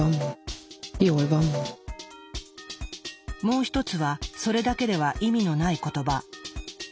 もう一つはそれだけでは意味のない言葉。